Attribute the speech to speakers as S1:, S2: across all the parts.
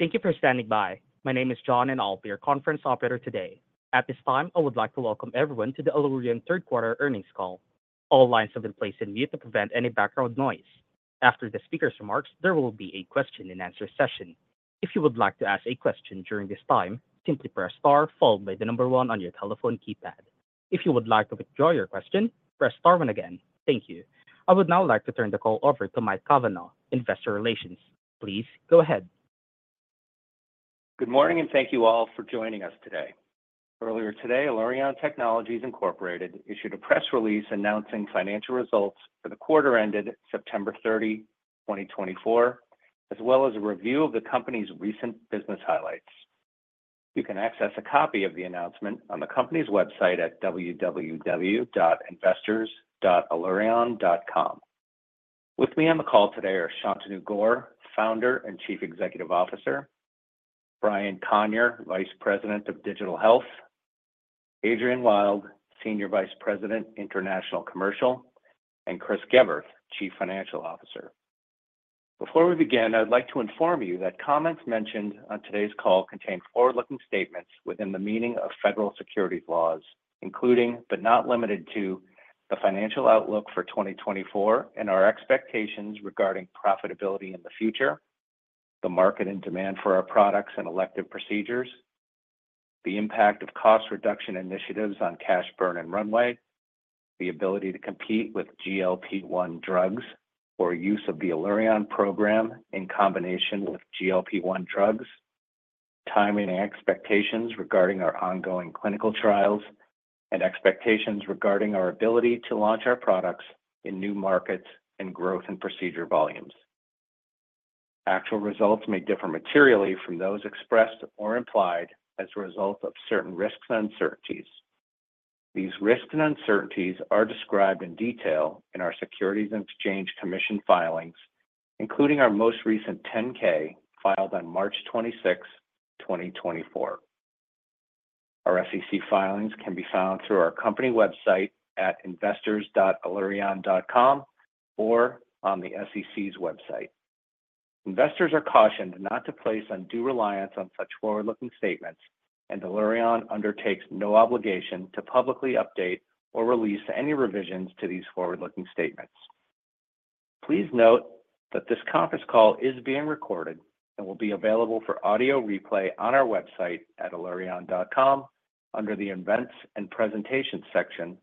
S1: Thank you for standing by. My name is John N. Albear, Conference Operator today. At this time, I would like to welcome everyone to the Allurion Third Quarter Earnings Call. All lines have been placed on mute to prevent any background noise. After the speaker's remarks, there will be a question-and-answer session. If you would like to ask a question during this time, simply press star followed by the number one on your telephone keypad. If you would like to withdraw your question, press star one again. Thank you. I would now like to turn the call over to Mike Cavanaugh, Investor Relations. Please go ahead.
S2: Good morning, and thank you all for joining us today. Earlier today, Allurion Technologies Incorporated issued a press release announcing financial results for the quarter ended September 30, 2024, as well as a review of the company's recent business highlights. You can access a copy of the announcement on the company's website at www.investors.allurion.com. With me on the call today are Shantanu Gaur, Founder and Chief Executive Officer, Brian Conyer, Vice President of Digital Health, Adrian Wild, Senior Vice President, International Commercial, and Chris Geberth, Chief Financial Officer. Before we begin, I would like to inform you that comments mentioned on today's call contain forward-looking statements within the meaning of federal securities laws, including but not limited to the financial outlook for 2024 and our expectations regarding profitability in the future, the market and demand for our products and elective procedures, the impact of cost reduction initiatives on cash burn and runway, the ability to compete with GLP-1 drugs or use of the Allurion Program in combination with GLP-1 drugs, timing and expectations regarding our ongoing clinical trials, and expectations regarding our ability to launch our products in new markets and growth in procedure volumes. Actual results may differ materially from those expressed or implied as a result of certain risks and uncertainties. These risks and uncertainties are described in detail in our Securities and Exchange Commission filings, including our most recent 10-K filed on March 26, 2024. Our SEC filings can be found through our company website at investors.allurion.com or on the SEC's website. Investors are cautioned not to place undue reliance on such forward-looking statements, and Allurion undertakes no obligation to publicly update or release any revisions to these forward-looking statements. Please note that this conference call is being recorded and will be available for audio replay on our website at allurion.com under the Events and Presentations section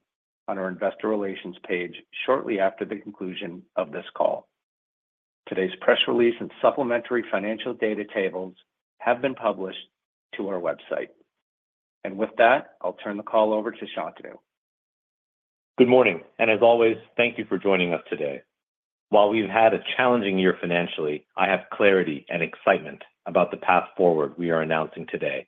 S2: on our Investor Relations page shortly after the conclusion of this call. Today's press release and supplementary financial data tables have been published to our website, and with that, I'll turn the call over to Shantanu.
S3: Good morning, and as always, thank you for joining us today. While we've had a challenging year financially, I have clarity and excitement about the path forward we are announcing today,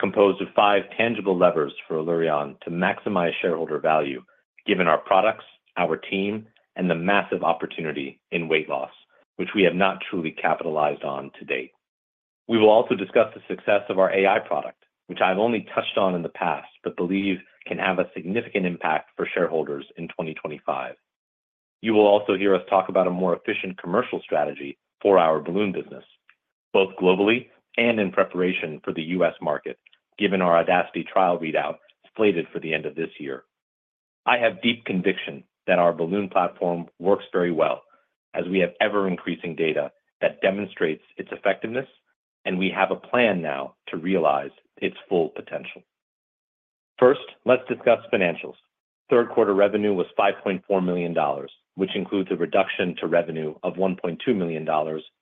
S3: composed of five tangible levers for Allurion to maximize shareholder value, given our products, our team, and the massive opportunity in weight loss, which we have not truly capitalized on to date. We will also discuss the success of our AI product, which I've only touched on in the past but believe can have a significant impact for shareholders in 2025. You will also hear us talk about a more efficient commercial strategy for our balloon business, both globally and in preparation for the U.S. market, given our AUDACITY trial readout slated for the end of this year. I have deep conviction that our balloon platform works very well as we have ever-increasing data that demonstrates its effectiveness, and we have a plan now to realize its full potential. First, let's discuss financials. Third quarter revenue was $5.4 million, which includes a reduction to revenue of $1.2 million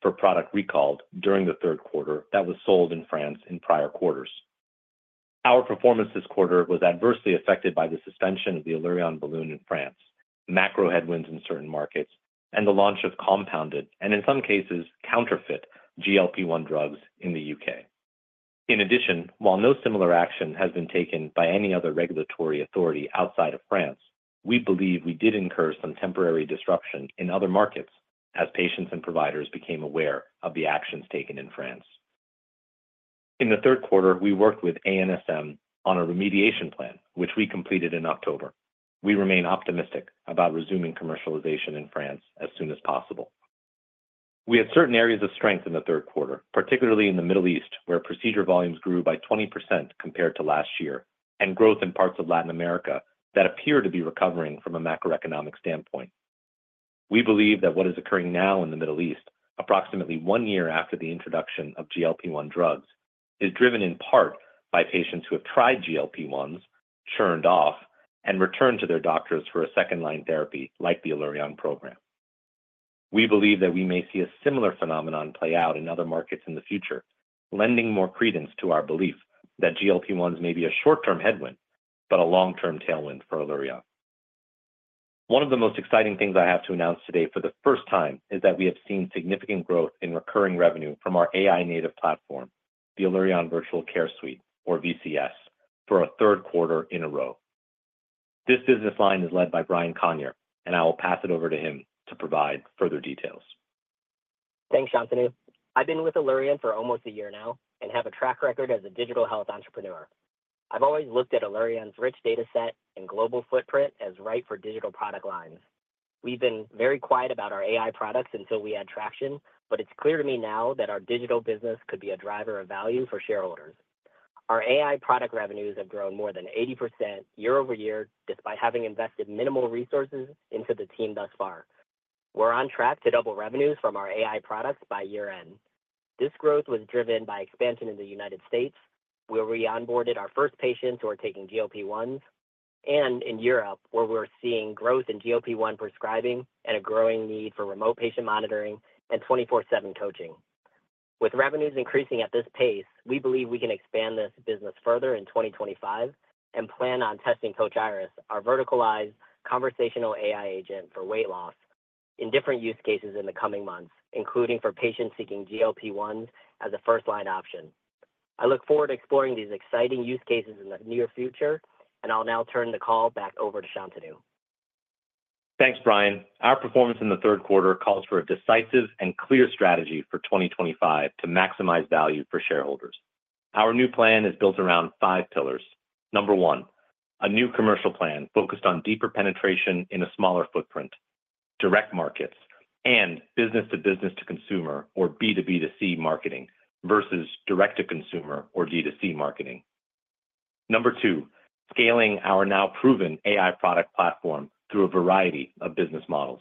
S3: for product recalled during the third quarter that was sold in France in prior quarters. Our performance this quarter was adversely affected by the suspension of the Allurion Balloon in France, macro headwinds in certain markets, and the launch of compounded and, in some cases, counterfeit GLP-1 drugs in the U.K. In addition, while no similar action has been taken by any other regulatory authority outside of France, we believe we did incur some temporary disruption in other markets as patients and providers became aware of the actions taken in France. In the third quarter, we worked with ANSM on a remediation plan, which we completed in October. We remain optimistic about resuming commercialization in France as soon as possible. We had certain areas of strength in the third quarter, particularly in the Middle East, where procedure volumes grew by 20% compared to last year and growth in parts of Latin America that appear to be recovering from a macroeconomic standpoint. We believe that what is occurring now in the Middle East, approximately one year after the introduction of GLP-1 drugs, is driven in part by patients who have tried GLP-1s, churned off, and returned to their doctors for a second-line therapy like the Allurion Program. We believe that we may see a similar phenomenon play out in other markets in the future, lending more credence to our belief that GLP-1s may be a short-term headwind but a long-term tailwind for Allurion. One of the most exciting things I have to announce today for the first time is that we have seen significant growth in recurring revenue from our AI-native platform, the Allurion Virtual Care Suite, or VCS, for a third quarter in a row. This business line is led by Brian Conyer, and I will pass it over to him to provide further details.
S4: Thanks, Shantanu. I've been with Allurion for almost a year now and have a track record as a digital health entrepreneur. I've always looked at Allurion's rich data set and global footprint as right for digital product lines. We've been very quiet about our AI products until we had traction, but it's clear to me now that our digital business could be a driver of value for shareholders. Our AI product revenues have grown more than 80% year over year despite having invested minimal resources into the team thus far. We're on track to double revenues from our AI products by year-end. This growth was driven by expansion in the United States, where we onboarded our first patients who are taking GLP-1s, and in Europe, where we're seeing growth in GLP-1 prescribing and a growing need for remote patient monitoring and 24/7 coaching. With revenues increasing at this pace, we believe we can expand this business further in 2025 and plan on testing Coach Iris, our verticalized conversational AI agent for weight loss, in different use cases in the coming months, including for patients seeking GLP-1s as a first-line option. I look forward to exploring these exciting use cases in the near future, and I'll now turn the call back over to Shantanu.
S3: Thanks, Brian. Our performance in the third quarter calls for a decisive and clear strategy for 2025 to maximize value for shareholders. Our new plan is built around five pillars. Number one, a new commercial plan focused on deeper penetration in a smaller footprint, direct markets, and business-to-business-to-consumer, or B2B2C marketing, versus direct-to-consumer, or D2C marketing. Number two, scaling our now-proven AI product platform through a variety of business models.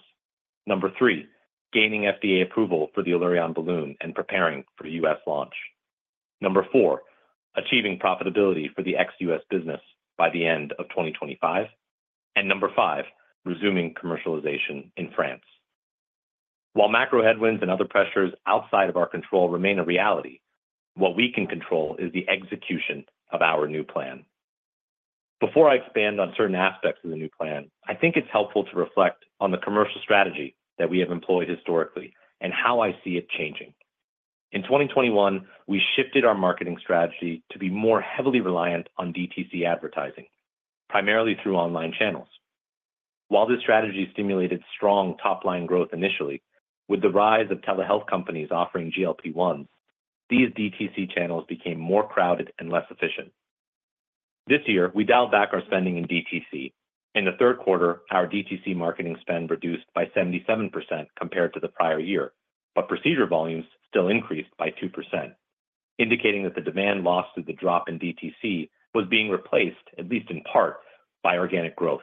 S3: Number three, gaining FDA approval for the Allurion Balloon and preparing for U.S. launch. Number four, achieving profitability for the ex-U.S. business by the end of 2025. And number five, resuming commercialization in France. While macro headwinds and other pressures outside of our control remain a reality, what we can control is the execution of our new plan. Before I expand on certain aspects of the new plan, I think it's helpful to reflect on the commercial strategy that we have employed historically and how I see it changing. In 2021, we shifted our marketing strategy to be more heavily reliant on DTC advertising, primarily through online channels. While this strategy stimulated strong top-line growth initially, with the rise of telehealth companies offering GLP-1s, these DTC channels became more crowded and less efficient. This year, we dialed back our spending in DTC. In the third quarter, our DTC marketing spend reduced by 77% compared to the prior year, but procedure volumes still increased by 2%, indicating that the demand lost through the drop in DTC was being replaced, at least in part, by organic growth.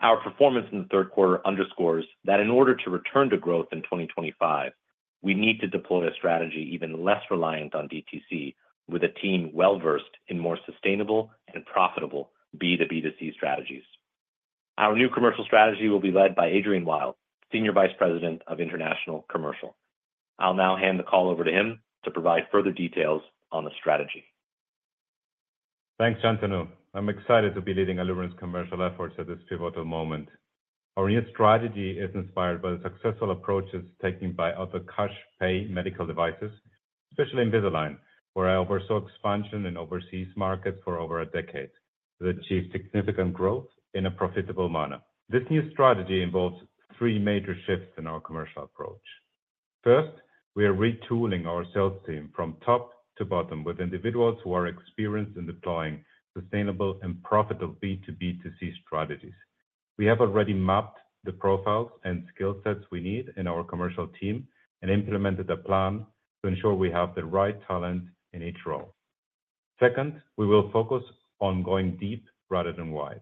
S3: Our performance in the third quarter underscores that in order to return to growth in 2025, we need to deploy a strategy even less reliant on DTC, with a team well-versed in more sustainable and profitable B2B2C strategies. Our new commercial strategy will be led by Adrian Wild, Senior Vice President of International Commercial. I'll now hand the call over to him to provide further details on the strategy.
S5: Thanks, Shantanu. I'm excited to be leading Allurion's commercial efforts at this pivotal moment. Our new strategy is inspired by the successful approaches taken by other cash-pay medical devices, especially Invisalign, where I oversaw expansion in overseas markets for over a decade, that achieved significant growth in a profitable manner. This new strategy involves three major shifts in our commercial approach. First, we are retooling our sales team from top to bottom with individuals who are experienced in deploying sustainable and profitable B2B2C strategies. We have already mapped the profiles and skill sets we need in our commercial team and implemented a plan to ensure we have the right talent in each role. Second, we will focus on going deep rather than wide.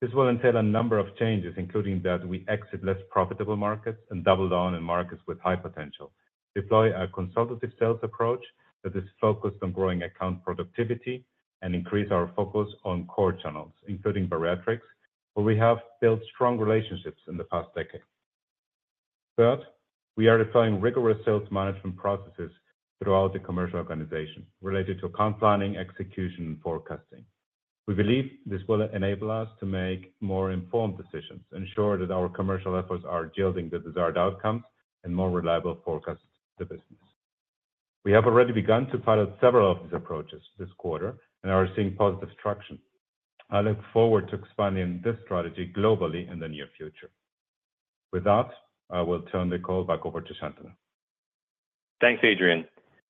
S5: This will entail a number of changes, including that we exit less profitable markets and double down in markets with high potential, deploy a consultative sales approach that is focused on growing account productivity, and increase our focus on core channels, including bariatrics, where we have built strong relationships in the past decade. Third, we are deploying rigorous sales management processes throughout the commercial organization related to account planning, execution, and forecasting. We believe this will enable us to make more informed decisions and ensure that our commercial efforts are yielding the desired outcomes and more reliable forecasts to the business. We have already begun to pilot several of these approaches this quarter and are seeing positive traction. I look forward to expanding this strategy globally in the near future. With that, I will turn the call back over to Shantanu.
S3: Thanks, Adrian.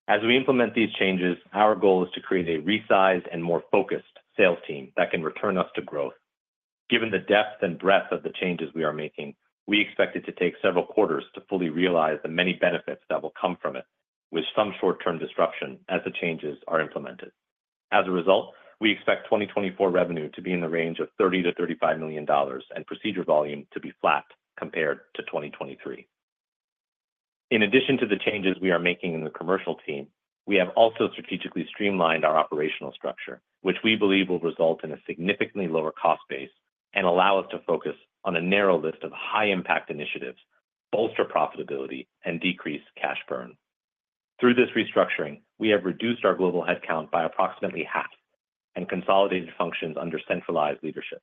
S3: As we implement these changes, our goal is to create a resized and more focused sales team that can return us to growth. Given the depth and breadth of the changes we are making, we expect it to take several quarters to fully realize the many benefits that will come from it, with some short-term disruption as the changes are implemented. As a result, we expect 2024 revenue to be in the range of $30-$35 million and procedure volume to be flat compared to 2023. In addition to the changes we are making in the commercial team, we have also strategically streamlined our operational structure, which we believe will result in a significantly lower cost base and allow us to focus on a narrow list of high-impact initiatives, bolster profitability, and decrease cash burn. Through this restructuring, we have reduced our global headcount by approximately half and consolidated functions under centralized leadership.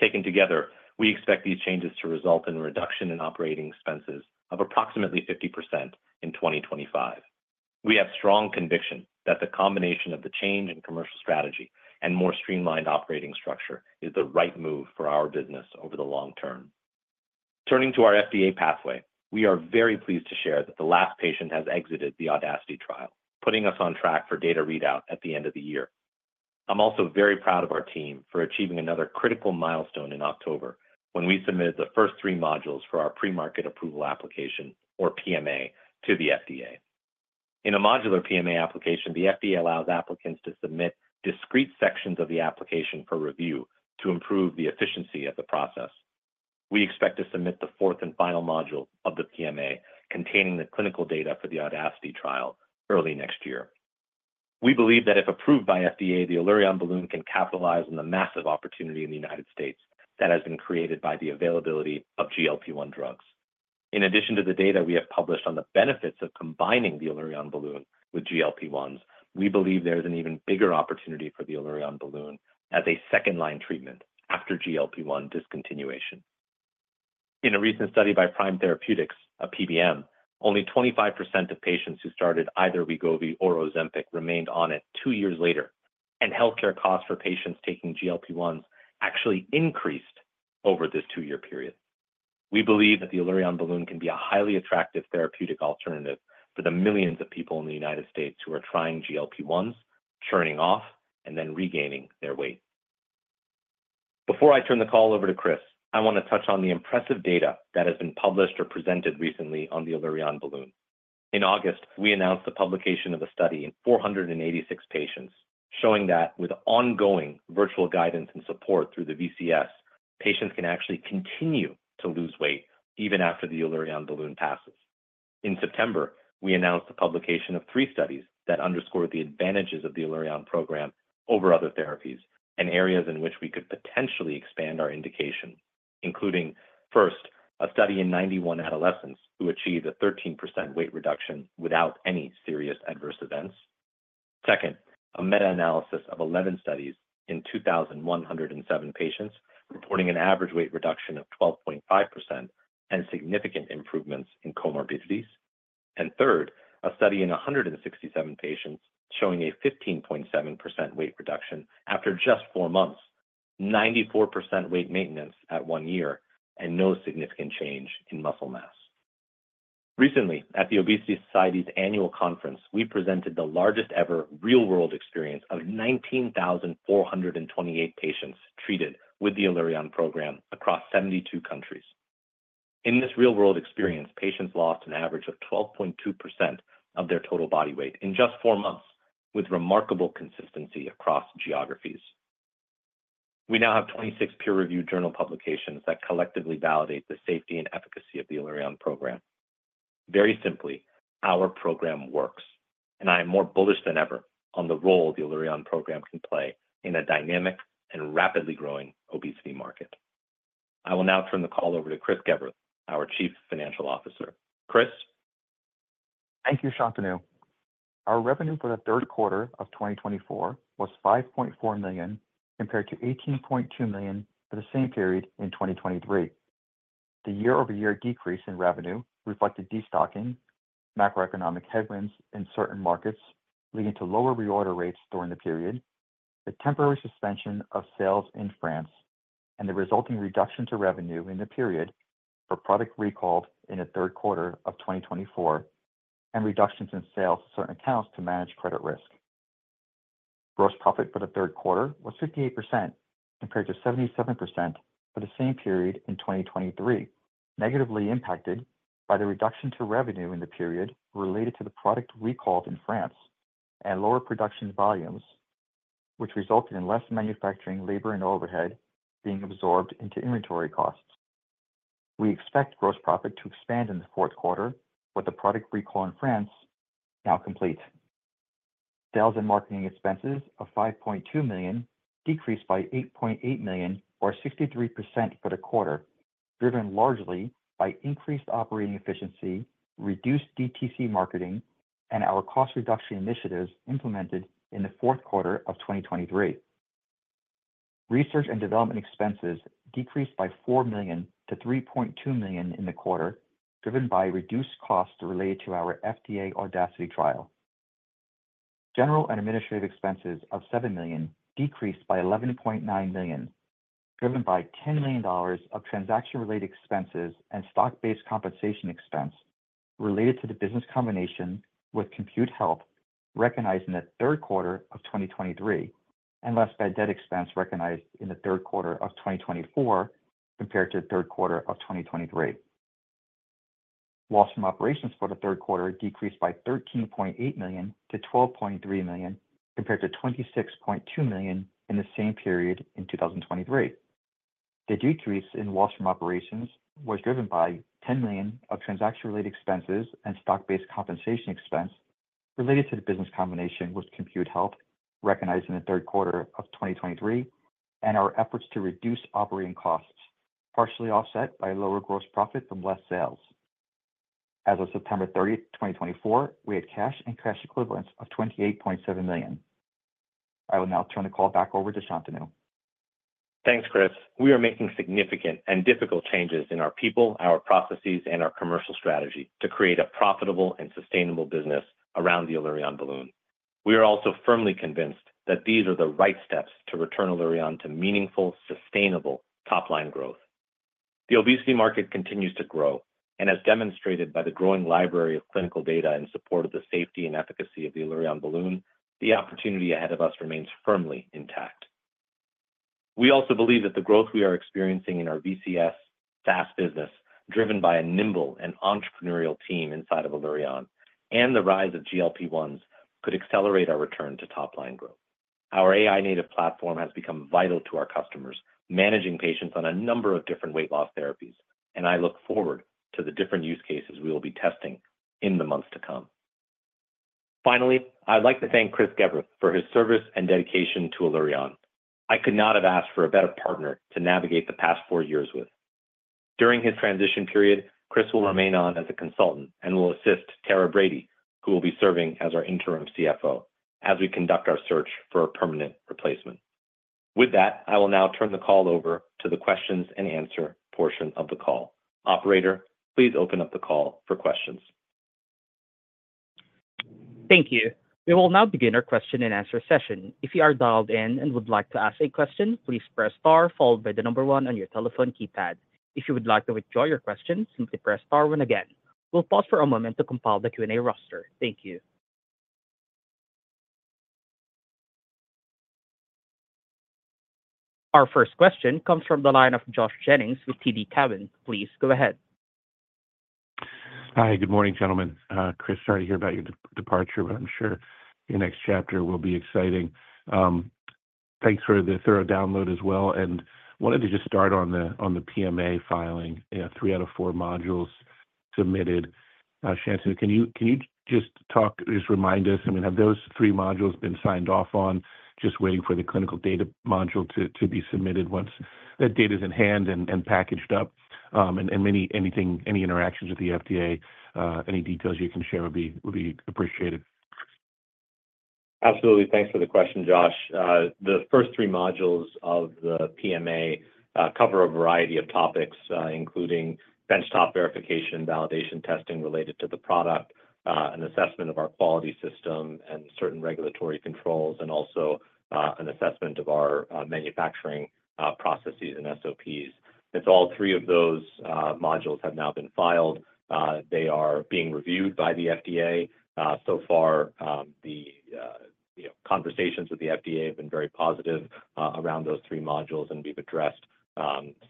S3: Taken together, we expect these changes to result in a reduction in operating expenses of approximately 50% in 2025. We have strong conviction that the combination of the change in commercial strategy and more streamlined operating structure is the right move for our business over the long term. Turning to our FDA pathway, we are very pleased to share that the last patient has exited the AUDACITY trial, putting us on track for data readout at the end of the year. I'm also very proud of our team for achieving another critical milestone in October when we submitted the first three modules for our pre-market approval application, or PMA, to the FDA. In a modular PMA application, the FDA allows applicants to submit discrete sections of the application for review to improve the efficiency of the process. We expect to submit the fourth and final module of the PMA containing the clinical data for the AUDACITY trial early next year. We believe that if approved by FDA, the Allurion Balloon can capitalize on the massive opportunity in the United States that has been created by the availability of GLP-1 drugs. In addition to the data we have published on the benefits of combining the Allurion Balloon with GLP-1s, we believe there is an even bigger opportunity for the Allurion Balloon as a second-line treatment after GLP-1 discontinuation. In a recent study by Prime Therapeutics, a PBM, only 25% of patients who started either Wegovy or Ozempic remained on it two years later, and healthcare costs for patients taking GLP-1s actually increased over this two-year period. We believe that the Allurion Balloon can be a highly attractive therapeutic alternative for the millions of people in the United States who are trying GLP-1s, churning off, and then regaining their weight. Before I turn the call over to Chris, I want to touch on the impressive data that has been published or presented recently on the Allurion Balloon. In August, we announced the publication of a study in 486 patients showing that with ongoing virtual guidance and support through the VCS, patients can actually continue to lose weight even after the Allurion Balloon passes. In September, we announced the publication of three studies that underscored the advantages of the Allurion Program over other therapies and areas in which we could potentially expand our indication, including, first, a study in 91 adolescents who achieved a 13% weight reduction without any serious adverse events. Second, a meta-analysis of 11 studies in 2,107 patients reporting an average weight reduction of 12.5% and significant improvements in comorbidities. And third, a study in 167 patients showing a 15.7% weight reduction after just four months, 94% weight maintenance at one year, and no significant change in muscle mass. Recently, at The Obesity Society's annual conference, we presented the largest-ever real-world experience of 19,428 patients treated with the Allurion Program across 72 countries. In this real-world experience, patients lost an average of 12.2% of their total body weight in just four months, with remarkable consistency across geographies. We now have 26 peer-reviewed journal publications that collectively validate the safety and efficacy of the Allurion Program. Very simply, our program works, and I am more bullish than ever on the role the Allurion Program can play in a dynamic and rapidly growing obesity market. I will now turn the call over to Chris Geberth, our Chief Financial Officer. Chris.
S6: Thank you, Shantanu. Our revenue for the third quarter of 2024 was $5.4 million compared to $18.2 million for the same period in 2023. The year-over-year decrease in revenue reflected destocking, macroeconomic headwinds in certain markets leading to lower reorder rates during the period, the temporary suspension of sales in France, and the resulting reduction to revenue in the period for product recalled in the third quarter of 2024, and reductions in sales to certain accounts to manage credit risk. Gross profit for the third quarter was 58% compared to 77% for the same period in 2023, negatively impacted by the reduction to revenue in the period related to the product recalled in France and lower production volumes, which resulted in less manufacturing labor and overhead being absorbed into inventory costs. We expect gross profit to expand in the fourth quarter with the product recall in France now complete. Sales and marketing expenses of $5.2 million decreased by $8.8 million, or 63% for the quarter, driven largely by increased operating efficiency, reduced DTC marketing, and our cost reduction initiatives implemented in the fourth quarter of 2023. Research and development expenses decreased by $4 million to $3.2 million in the quarter, driven by reduced costs related to our FDA AUDACITY trial. General and administrative expenses of $7 million decreased by $11.9 million, driven by $10 million of transaction-related expenses and stock-based compensation expense related to the business combination with Compute Health recognized in the third quarter of 2023, and less bad debt expense recognized in the third quarter of 2024 compared to the third quarter of 2023. Loss from operations for the third quarter decreased by $13.8 million to $12.3 million compared to $26.2 million in the same period in 2023. The decrease in loss from operations was driven by $10 million of transaction-related expenses and stock-based compensation expense related to the business combination with Compute Health recognized in the third quarter of 2023, and our efforts to reduce operating costs partially offset by lower gross profit from less sales. As of September 30, 2024, we had cash and cash equivalents of $28.7 million. I will now turn the call back over to Shantanu.
S3: Thanks, Chris. We are making significant and difficult changes in our people, our processes, and our commercial strategy to create a profitable and sustainable business around the Allurion Balloon. We are also firmly convinced that these are the right steps to return Allurion to meaningful, sustainable top-line growth. The obesity market continues to grow, and as demonstrated by the growing library of clinical data in support of the safety and efficacy of the Allurion Balloon, the opportunity ahead of us remains firmly intact. We also believe that the growth we are experiencing in our VCS SaaS business, driven by a nimble and entrepreneurial team inside of Allurion, and the rise of GLP-1s could accelerate our return to top-line growth. Our AI-native platform has become vital to our customers managing patients on a number of different weight loss therapies, and I look forward to the different use cases we will be testing in the months to come. Finally, I'd like to thank Chris Geberth for his service and dedication to Allurion. I could not have asked for a better partner to navigate the past four years with. During his transition period, Chris will remain on as a consultant and will assist Tara Brady, who will be serving as our Interim CFO, as we conduct our search for a permanent replacement. With that, I will now turn the call over to the questions and answer portion of the call. Operator, please open up the call for questions.
S1: Thank you. We will now begin our question and answer session. If you are dialed in and would like to ask a question, please press star followed by the number one on your telephone keypad. If you would like to withdraw your question, simply press star one again. We'll pause for a moment to compile the Q&A roster. Thank you. Our first question comes from the line of Josh Jennings with TD Cowen. Please go ahead.
S7: Hi, good morning, gentlemen. Chris, sorry to hear about your departure, but I'm sure your next chapter will be exciting. Thanks for the thorough download as well, and I wanted to just start on the PMA filing, three out of four modules submitted. Shantanu, can you just talk, just remind us, I mean, have those three modules been signed off on? Just waiting for the clinical data module to be submitted once that data is in hand and packaged up, and any interactions with the FDA, any details you can share would be appreciated.
S3: Absolutely. Thanks for the question, Josh. The first three modules of the PMA cover a variety of topics, including benchtop verification, validation testing related to the product, an assessment of our quality system and certain regulatory controls, and also an assessment of our manufacturing processes and SOPs. All three of those modules have now been filed. They are being reviewed by the FDA. So far, the conversations with the FDA have been very positive around those three modules, and we've addressed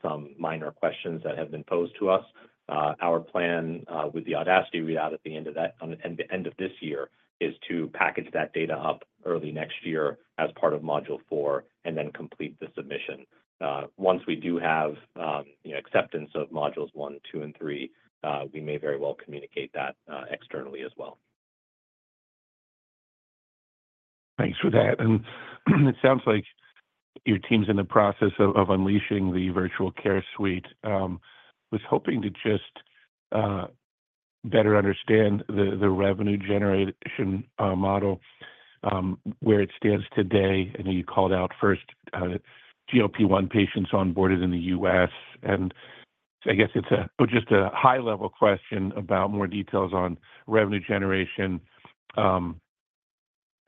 S3: some minor questions that have been posed to us. Our plan with the AUDACITY we had at the end of this year is to package that data up early next year as part of module four and then complete the submission. Once we do have acceptance of modules one, two, and three, we may very well communicate that externally as well.
S7: Thanks for that. And it sounds like your team's in the process of unleashing the Virtual Care Suite. I was hoping to just better understand the revenue generation model where it stands today. I know you called out first GLP-1 patients onboarded in the U.S. And I guess it's just a high-level question about more details on revenue generation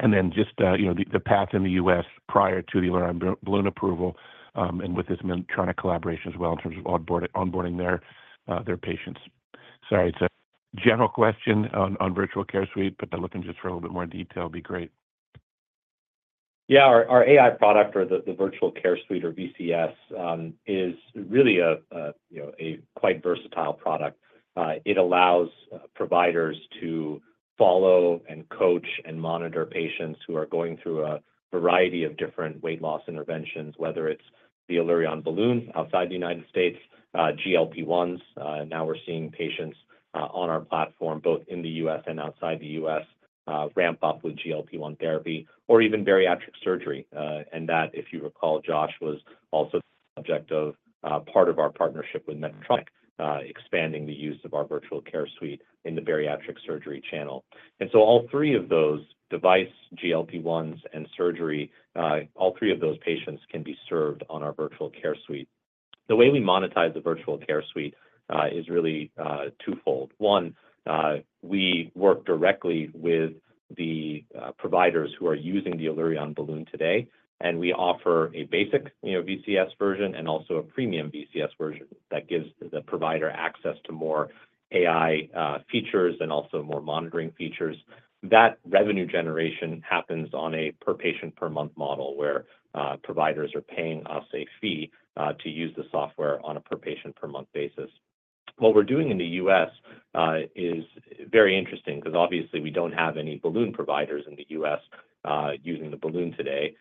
S7: and then just the path in the U.S. prior to the Allurion Balloon approval and with this Medtronic collaboration as well in terms of onboarding their patients. Sorry. General question on Virtual Care Suite, but looking just for a little bit more detail would be great.
S3: Yeah. Our AI product, or the Virtual Care Suite, or VCS, is really a quite versatile product. It allows providers to follow and coach and monitor patients who are going through a variety of different weight loss interventions, whether it's the Allurion Balloon outside the United States, GLP-1s. Now we're seeing patients on our platform, both in the U.S. and outside the U.S., ramp up with GLP-1 therapy, or even bariatric surgery, and that, if you recall, Josh, was also the subject of part of our partnership with Medtronic, expanding the use of our Virtual Care Suite in the bariatric surgery channel, and so all three of those device, GLP-1s, and surgery, all three of those patients can be served on our Virtual Care Suite. The way we monetize the Virtual Care Suite is really twofold. One, we work directly with the providers who are using the Allurion Balloon today, and we offer a basic VCS version and also a premium VCS version that gives the provider access to more AI features and also more monitoring features. That revenue generation happens on a per-patient-per-month model where providers are paying us a fee to use the software on a per-patient-per-month basis. What we're doing in the U.S. is very interesting because obviously we don't have any balloon providers in the U.S. using the balloon today.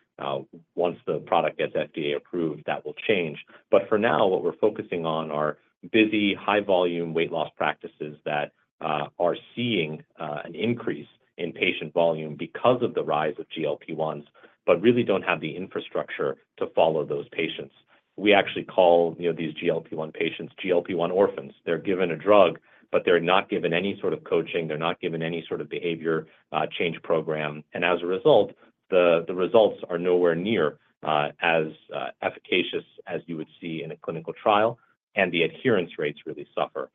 S3: Once the product gets FDA approved, that will change. But for now, what we're focusing on are busy, high-volume weight loss practices that are seeing an increase in patient volume because of the rise of GLP-1s, but really don't have the infrastructure to follow those patients. We actually call these GLP-1 patients GLP-1 orphans. They're given a drug, but they're not given any sort of coaching. They're not given any sort of behavior change program, and as a result, the results are nowhere near as efficacious as you would see in a clinical trial, and the adherence rates really suffer,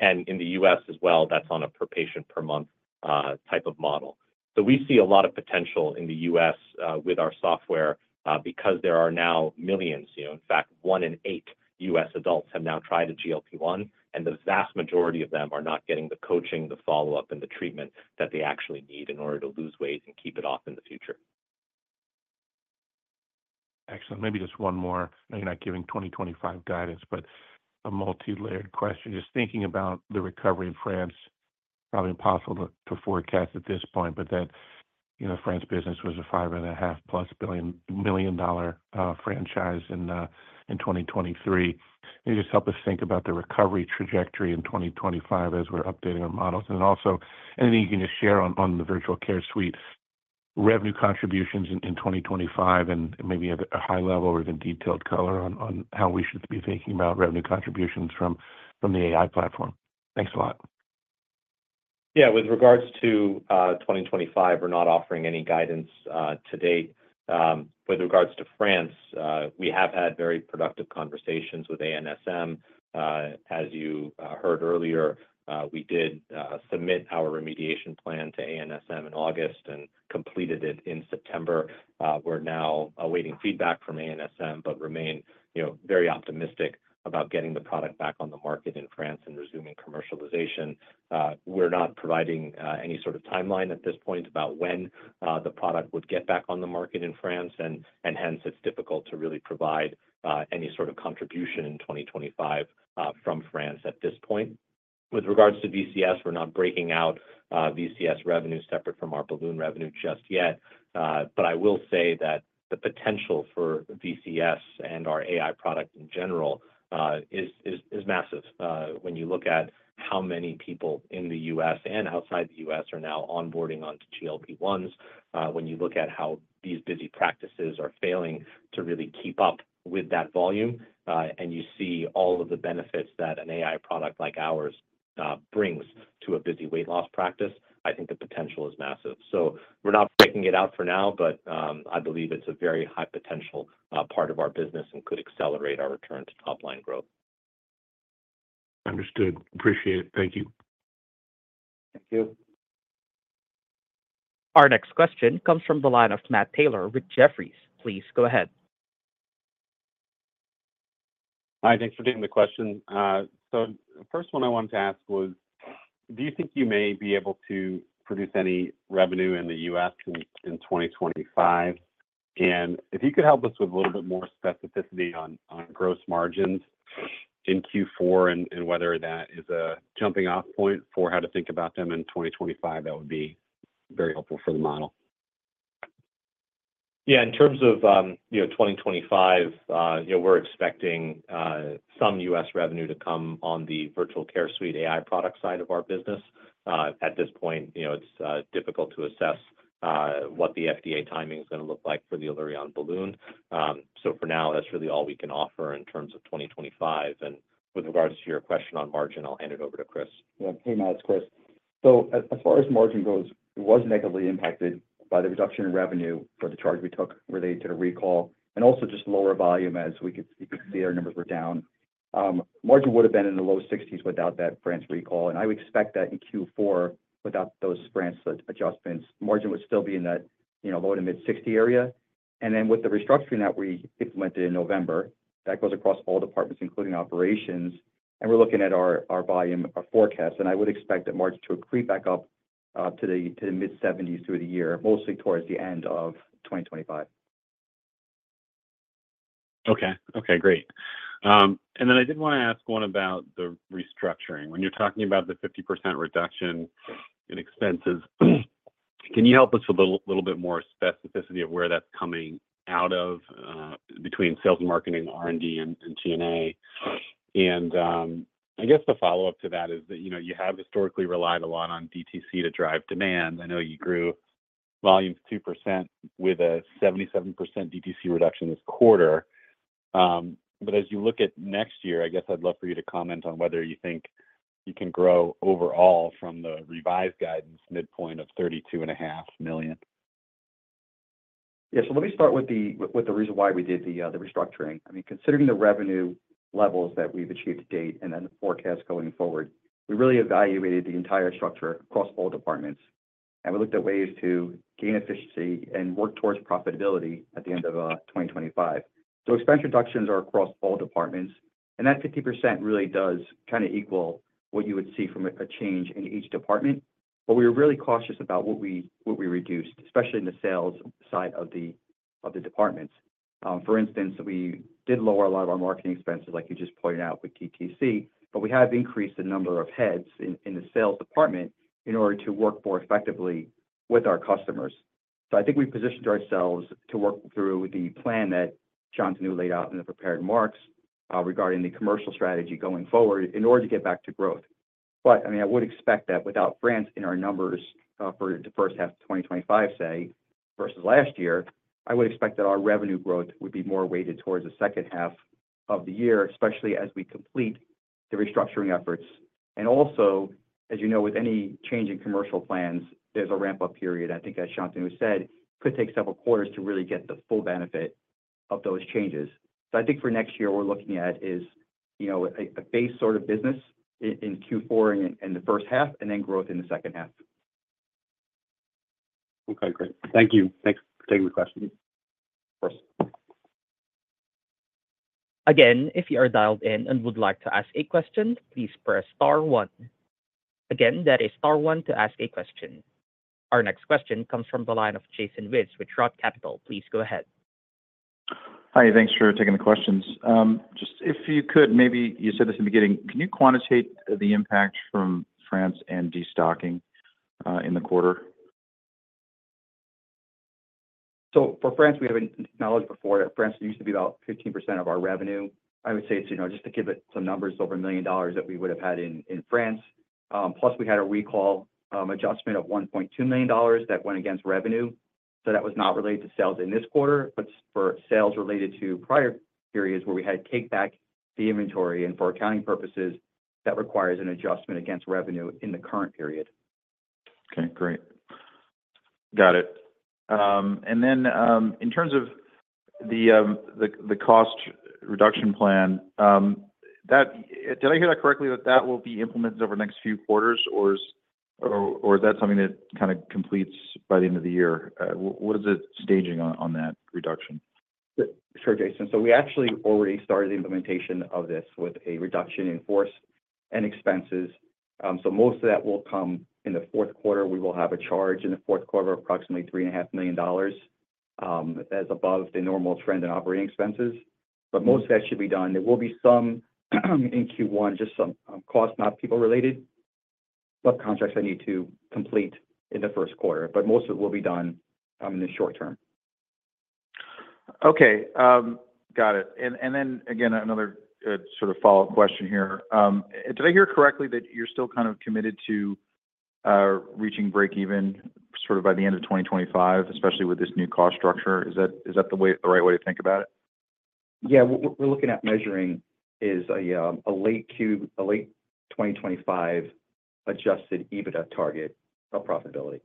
S3: and in the U.S. as well, that's on a per-patient-per-month type of model, so we see a lot of potential in the U.S. with our software because there are now millions. In fact, one in eight U.S. adults have now tried a GLP-1, and the vast majority of them are not getting the coaching, the follow-up, and the treatment that they actually need in order to lose weight and keep it off in the future.
S7: Excellent. Maybe just one more. I'm not giving 2025 guidance, but a multi-layered question. Just thinking about the recovery in France, probably impossible to forecast at this point, but that France business was a $5.5+ billion franchise in 2023. Maybe just help us think about the recovery trajectory in 2025 as we're updating our models. And then also, anything you can just share on the Virtual Care Suite, revenue contributions in 2025, and maybe at a high level or even detailed color on how we should be thinking about revenue contributions from the AI platform. Thanks a lot.
S3: Yeah. With regards to 2025, we're not offering any guidance to date. With regards to France, we have had very productive conversations with ANSM. As you heard earlier, we did submit our remediation plan to ANSM in August and completed it in September. We're now awaiting feedback from ANSM, but remain very optimistic about getting the product back on the market in France and resuming commercialization. We're not providing any sort of timeline at this point about when the product would get back on the market in France, and hence it's difficult to really provide any sort of contribution in 2025 from France at this point. With regards to VCS, we're not breaking out VCS revenue separate from our balloon revenue just yet. But I will say that the potential for VCS and our AI product in general is massive. When you look at how many people in the U.S. and outside the U.S. are now onboarding onto GLP-1s, when you look at how these busy practices are failing to really keep up with that volume, and you see all of the benefits that an AI product like ours brings to a busy weight loss practice, I think the potential is massive. So we're not breaking it out for now, but I believe it's a very high-potential part of our business and could accelerate our return to top-line growth.
S7: Understood. Appreciate it. Thank you.
S3: Thank you.
S1: Our next question comes from the line of Matt Taylor with Jefferies. Please go ahead.
S8: Hi. Thanks for taking the question. So the first one I wanted to ask was, do you think you may be able to produce any revenue in the U.S. in 2025? And if you could help us with a little bit more specificity on gross margins in Q4 and whether that is a jumping-off point for how to think about them in 2025, that would be very helpful for the model.
S3: Yeah. In terms of 2025, we're expecting some U.S. revenue to come on the Virtual Care Suite AI product side of our business. At this point, it's difficult to assess what the FDA timing is going to look like for the Allurion Balloon. So for now, that's really all we can offer in terms of 2025, and with regards to your question on margin, I'll hand it over to Chris.
S6: Yeah. Hey, Matt. It's Chris. So as far as margin goes, it was negatively impacted by the reduction in revenue for the charge we took related to the recall and also just lower volume as we could see our numbers were down. Margin would have been in the low 60s without that France recall. And I would expect that in Q4, without those France adjustments, margin would still be in that low-to-mid 60 area. And then with the restructuring that we implemented in November, that goes across all departments, including operations. And we're looking at our volume, our forecast. And I would expect that margin to creep back up to the mid-70s through the year, mostly towards the end of 2025.
S8: Okay. Okay. Great. And then I did want to ask one about the restructuring. When you're talking about the 50% reduction in expenses, can you help us with a little bit more specificity of where that's coming out of between sales, marketing, R&D, and G&A? And I guess the follow-up to that is that you have historically relied a lot on DTC to drive demand. I know you grew volumes 2% with a 77% DTC reduction this quarter. But as you look at next year, I guess I'd love for you to comment on whether you think you can grow overall from the revised guidance midpoint of $32.5 million?
S6: Yeah, so let me start with the reason why we did the restructuring. I mean, considering the revenue levels that we've achieved to date and then the forecast going forward, we really evaluated the entire structure across all departments, and we looked at ways to gain efficiency and work towards profitability at the end of 2025, so expense reductions are across all departments, and that 50% really does kind of equal what you would see from a change in each department, but we were really cautious about what we reduced, especially in the sales side of the departments. For instance, we did lower a lot of our marketing expenses, like you just pointed out with DTC, but we have increased the number of heads in the sales department in order to work more effectively with our customers. So I think we positioned ourselves to work through the plan that Shantanu laid out in the prepared remarks regarding the commercial strategy going forward in order to get back to growth. But I mean, I would expect that without France in our numbers for the first half of 2025, say, versus last year, I would expect that our revenue growth would be more weighted towards the second half of the year, especially as we complete the restructuring efforts. And also, as you know, with any change in commercial plans, there's a ramp-up period, I think, as Shantanu said, could take several quarters to really get the full benefit of those changes. So I think for next year, we're looking at a base sort of business in Q4 and the first half, and then growth in the second half.
S8: Okay. Great. Thank you. Thanks for taking the question.
S3: Of course.
S1: Again, if you are dialed in and would like to ask a question, please press star one. Again, that is star one to ask a question. Our next question comes from the line of Jason Wittes with Roth Capital. Please go ahead.
S9: Hi. Thanks for taking the questions. Just if you could, maybe you said this in the beginning, can you quantitate the impact from France and destocking in the quarter?
S3: For France, we haven't acknowledged before. France used to be about 15% of our revenue. I would say it's just to give it some numbers, over a million dollars that we would have had in France. Plus, we had a recall adjustment of $1.2 million that went against revenue. That was not related to sales in this quarter, but for sales related to prior periods where we had to take back the inventory. For accounting purposes, that requires an adjustment against revenue in the current period.
S9: Okay. Great. Got it. And then in terms of the cost reduction plan, did I hear that correctly that that will be implemented over the next few quarters, or is that something that kind of completes by the end of the year? What is it staging on that reduction?
S3: Sure, Jason. So we actually already started the implementation of this with a reduction in force and expenses. So most of that will come in the fourth quarter. We will have a charge in the fourth quarter of approximately $3.5 million that's above the normal trend in operating expenses. But most of that should be done. There will be some in Q1, just some cost, not people-related, but contracts I need to complete in the first quarter. But most of it will be done in the short term.
S9: Okay. Got it. And then again, another sort of follow-up question here. Did I hear correctly that you're still kind of committed to reaching break-even sort of by the end of 2025, especially with this new cost structure? Is that the right way to think about it?
S3: Yeah. What we're looking at measuring is a late 2025 Adjusted EBITDA target of profitability.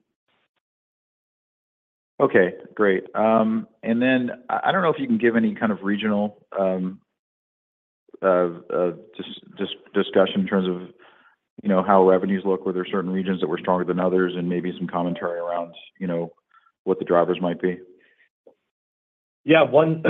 S9: Okay. Great. And then I don't know if you can give any kind of regional discussion in terms of how revenues look, whether there are certain regions that were stronger than others, and maybe some commentary around what the drivers might be.
S3: Yeah. One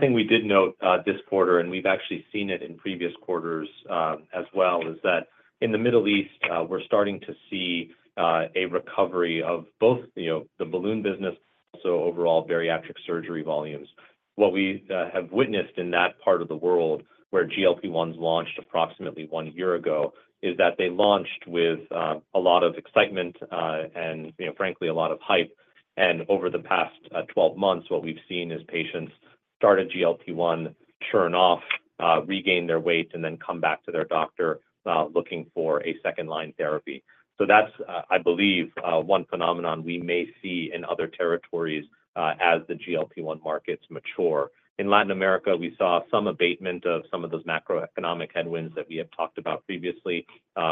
S3: thing we did note this quarter, and we've actually seen it in previous quarters as well, is that in the Middle East, we're starting to see a recovery of both the balloon business, so overall bariatric surgery volumes. What we have witnessed in that part of the world where GLP-1s launched approximately one year ago is that they launched with a lot of excitement and, frankly, a lot of hype, and over the past 12 months, what we've seen is patients start a GLP-1, churn off, regain their weight, and then come back to their doctor looking for a second-line therapy, so that's, I believe, one phenomenon we may see in other territories as the GLP-1 markets mature. In Latin America, we saw some abatement of some of those macroeconomic headwinds that we have talked about previously,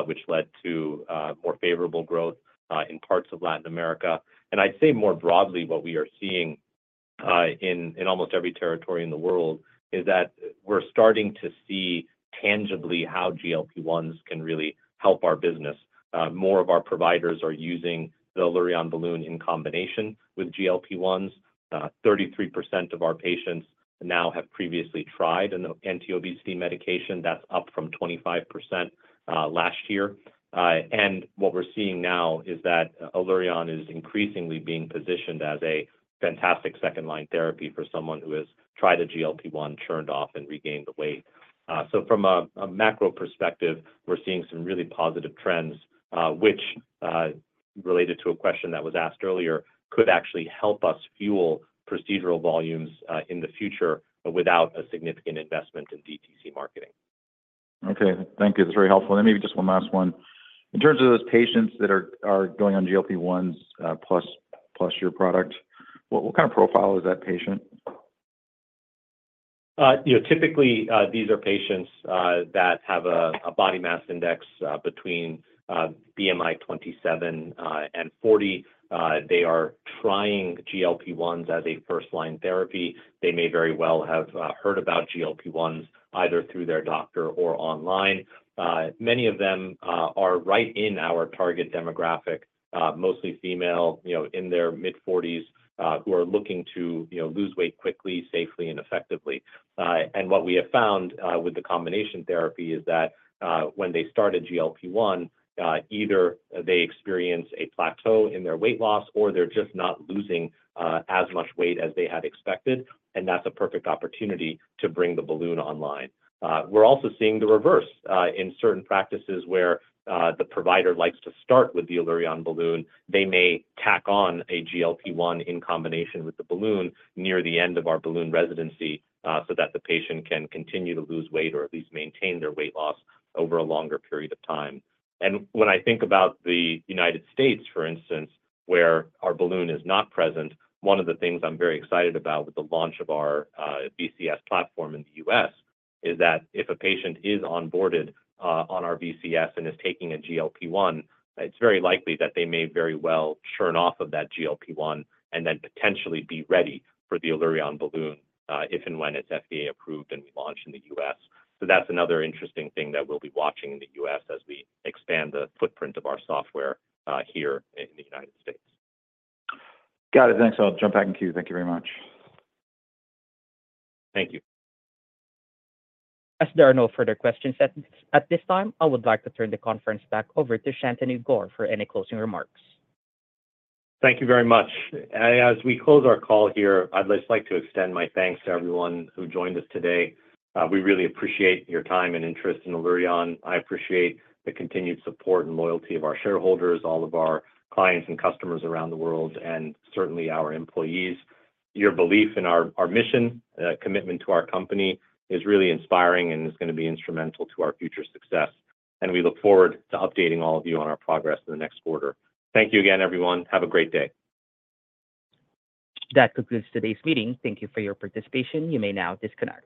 S3: which led to more favorable growth in parts of Latin America. I'd say more broadly, what we are seeing in almost every territory in the world is that we're starting to see tangibly how GLP-1s can really help our business. More of our providers are using the Allurion Balloon in combination with GLP-1s. 33% of our patients now have previously tried an anti-obesity medication. That's up from 25% last year. And what we're seeing now is that Allurion is increasingly being positioned as a fantastic second-line therapy for someone who has tried a GLP-1, churned off, and regained the weight. So from a macro perspective, we're seeing some really positive trends, which, related to a question that was asked earlier, could actually help us fuel procedural volumes in the future without a significant investment in DTC marketing.
S9: Okay. Thank you. That's very helpful. And then maybe just one last one. In terms of those patients that are going on GLP-1s plus your product, what kind of profile is that patient?
S3: Typically, these are patients that have a body mass index between BMI 27 and 40. They are trying GLP-1s as a first-line therapy. They may very well have heard about GLP-1s either through their doctor or online. Many of them are right in our target demographic, mostly female in their mid-40s who are looking to lose weight quickly, safely, and effectively. And what we have found with the combination therapy is that when they started GLP-1, either they experience a plateau in their weight loss or they're just not losing as much weight as they had expected. And that's a perfect opportunity to bring the balloon online. We're also seeing the reverse in certain practices where the provider likes to start with the Allurion Balloon. They may tack on a GLP-1 in combination with the balloon near the end of our balloon residency so that the patient can continue to lose weight or at least maintain their weight loss over a longer period of time. And when I think about the United States, for instance, where our balloon is not present, one of the things I'm very excited about with the launch of our VCS platform in the U.S. is that if a patient is onboarded on our VCS and is taking a GLP-1, it's very likely that they may very well churn off of that GLP-1 and then potentially be ready for the Allurion Balloon if and when it's FDA approved and we launch in the U.S. So that's another interesting thing that we'll be watching in the U.S. as we expand the footprint of our software here in the United States.
S9: Got it. Thanks. I'll jump back in queue. Thank you very much.
S3: Thank you.
S1: As there are no further questions at this time, I would like to turn the conference back over to Shantanu Gaur for any closing remarks.
S3: Thank you very much. As we close our call here, I'd just like to extend my thanks to everyone who joined us today. We really appreciate your time and interest in Allurion. I appreciate the continued support and loyalty of our shareholders, all of our clients and customers around the world, and certainly our employees. Your belief in our mission, commitment to our company is really inspiring and is going to be instrumental to our future success. And we look forward to updating all of you on our progress in the next quarter. Thank you again, everyone. Have a great day.
S1: That concludes today's meeting. Thank you for your participation. You may now disconnect.